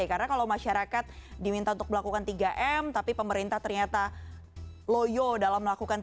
karena kalau masyarakat diminta untuk melakukan tiga m tapi pemerintah ternyata loyo dalam melakukan tiga t